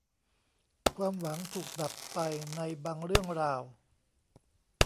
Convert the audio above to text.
ความหวังถูกดับไปในบางเรื่องราว